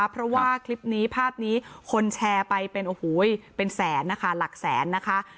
เพราะว่าคลิปนี้ภาพนี้คนแชร์ไปเป็นโอ้โหเป็นแสนนะคะหลักแสนนะคะ